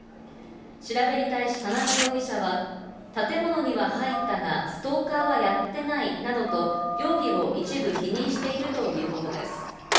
調べに対し田中容疑者は、建物には入ったが、ストーカーはやってないなどと、容疑を一部否認しているということです。